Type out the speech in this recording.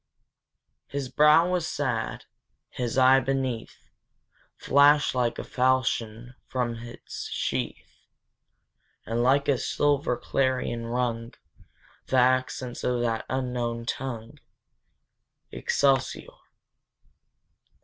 His brow was sad; his eye beneath, Flashed like a falchion from its sheath, And like a silver clarion rung The accents of that unknown tongue, Excelsior!